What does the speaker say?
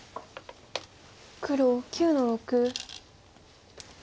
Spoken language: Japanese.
黒９の六。